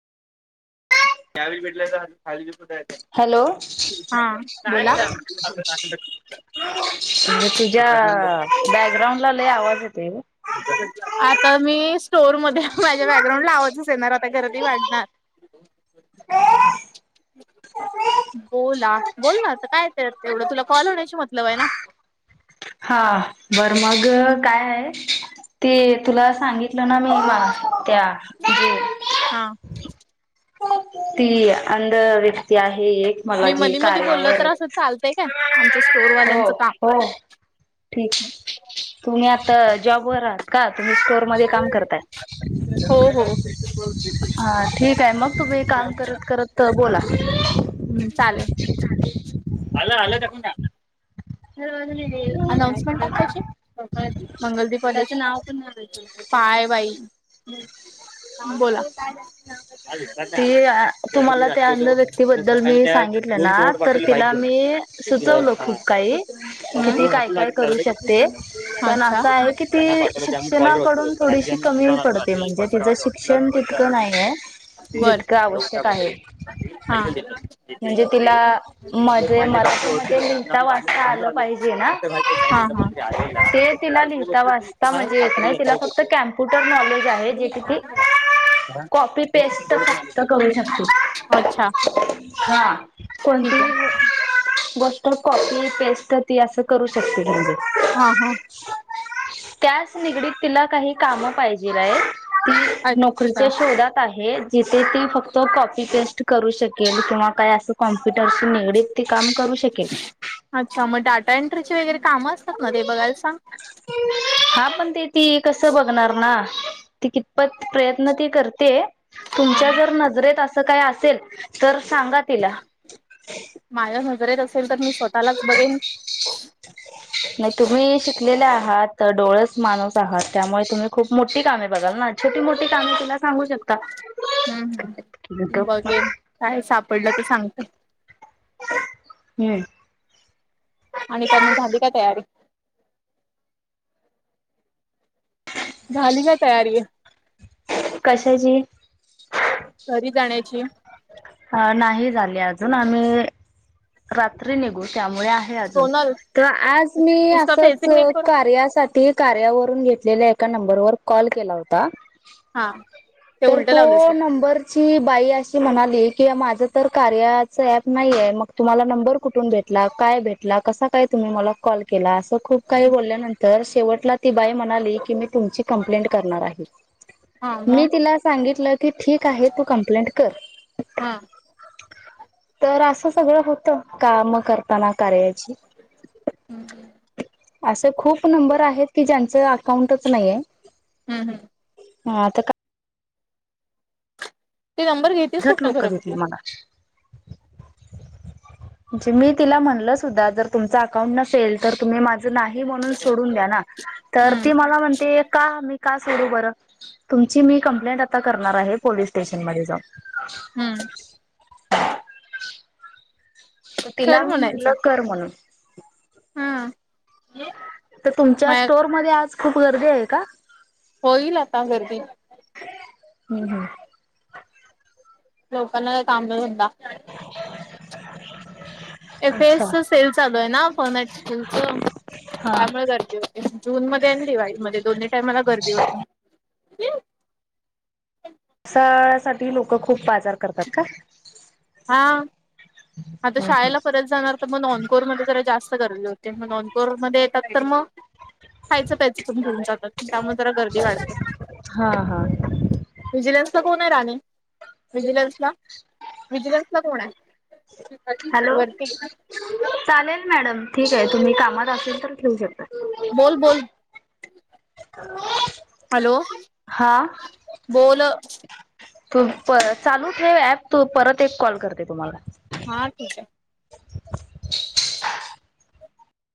त्यावेळी भेटले काय? हॅलो हां बोला, म्हणजे तुझ्या बॅकग्राउंड ला लय आवाज येतोय ग. आता मी स्टोर मध्ये, माझ्या बॅकग्राउंड ला आवाजच येणार आता गर्दी वाढणार. बोला बोलनां आता काय तेज्यात एवढं तुला कॉल होण्याशी मतलब आहे ना. हां बर मग काय आहे, ते तुला सांगितलं ना मी त्या जे- हां. ती अंध वि- आहे एक मला मी जी मधी मधी बोलल कार्यावर तर असं चालतंय काय आमचं हो स्टोरवाल्यांचं काम. हो ठीक तुम्ही आता जॉब वर आहात का? तुम्ही स्टोअर मध्ये काम करताय? हो हो. हा ठीक आहे मग तुम्ही काम करत करत बोला. आलं आलं टाकून. दरवाजा निट अनाउन्समेंट आत्ताची मंगल दिप त्याचे नाव पण काय बाई बोला. ती तुम्हाला त्या अंध व्यक्तीबद्दल मी सांगितलं ना तर तिला मी सुचवल खूप काही कि ती हम्म. काय काय करू शकते. पण अच्छा असं आहे कि ती शिक्षणाकडून थोडीशी कमी पडते म्हणजे तिचं शिक्षण तितकं नाहीय. बर म्हणजे तिला म्हणजे डॉक्टर ओळख मराठीमध्ये होता लिहिता जा [inaudible] वाचता आलं पाहिजेल ना. ते तिला लिहत वाचता येत नाही म्हणजे तिला फक्त कॉम्प्युटर नॉलेज आहे. जे की ती कॉपी पेस्ट फक्त करू शकते. अच्छा हा कोणती ठीक आहे गोष्ट कॉपी पेस्ट ती असं करू शकते म्हणजे हा हा त्याच निगडीत तिला काही काम पाहिजेल आहेत. ती नोकरीच्या अच्छा. शोधात आहे. आहे. जिथे ती फक्त कॉपी पेस्ट करू शकेल किंवा काय असं कॉम कम्प्युटर निगडित काम करू शकेल अच्छा मग डाटा एंट्रीची वगैरे कामं असतात ना ते बघायला सांग हा पण. ते ती कस बघणार ना ती कितपत प्रयत्न ती करते. हा. तुमच्या जर नजरेत असं काय असल. असेल तर. सांगा तिला माझ्या नजरेत असेल तर मी स्वतःलाच बघेन. नाही तुम्ही शिकलेले आहात डोळेच माणस आहात त्यामुळे तुम्ही खूप मोठी कामे बघाल ना छोटी मोठी कामे तुम्ही. सांगूशको. हम्म हम् बघेन काय सापडलं तर सांगतेय हम्म आणि काय मग झाली का तयारी. झाली का तयारी. कशाची जाण्यायची. अ नाही झाली अजून आम्ही. रात्री निघू. त्यामुळे आहे अजून सोनल तर आज मी उसका असच फेसिंग नाही करू कार्यासाठी कार्यावरून घेतलेले आहे. एका नंबर वर कॉल केला होता. हा ते तर उलट लावलेस तो बघ नंबरची बाई अशी म्हणाली. किं माझं तर कार्याचं ऍप नाही आहे मग. तुम्हाला नंबर कुठून भेटला काय भेटला कसा काय तुम्ही मला कॉल केला. खूप काही बोलल्यानंतर. शेवटला ती बाई म्हणाली की मी तुमची कंप्लेंट करणार आहे. हा मग मी तिला सांगितलं की ठीकआहे तू कमप्लेंट कर. हा तर असं. सगळं होत काम करताणा. अस खूप नंबर आहेत की ज्याच. अकाउंटच नाही आहे. हम्म हम्म हा आता काय ते नंबर घेतीस कुठनं खर तू. म्हणे मी तिला म्हणल सुद्धा जर तुम अकाउंट नसेल तर तुम्ही नाही म्हणून सोडून द्या ना तर हम्म ती मला म्हणते का मी का सोडू. सोडू बर तुमची मी कंप्लेंट आता करणार आहे पोलीस स्टेशनमध्ये जाऊन. हम्म [inaudible] तर तिला खरं मी म्हणल म्हणायचं. कर म्हणून. [inaudible] हा तर तुमच्या माझ स्टोरमध्ये आज खूप गर्दी आहे का होईल आता गर्दी हम् ह लोकांना काम एफ अच्छा एस सेल चालू आहे ना फॉरमॅट स्टोन च हा. त्यामुळे गर्दी होते जून मध्ये आणि जुलाई मध्ये दोन्ही टाइमला गर्दी होते [inaudible] पावसाळ्या साठी लोक खूप बाजार करतात का हा आता हम्म हम्म शाळेला परत जाणार तर मग नॉनकोअर मध्ये जरा जास्त गरज होते मग नॉनकोर मध्ये त्यात तर मग खायचं पीएच घेऊन जातात त्यामुळे जरा गर्दी वाढते हा हा. कोण आहे राणी विजलन्सला विजलन्सला कोण आहे हॅलो वरती चालेल मॅडम ठीक हाय तुम्ही कामात आसल तर ठेऊ शकताय. बोल बोल हॅलो हा. बोलं. [unintelligible] चालू ठेव ऍप तू परत एक कॉल करते तुम्हाला.